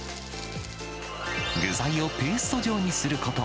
具材をペースト状にすること。